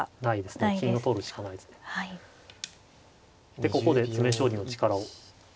でここで詰め将棋の力を。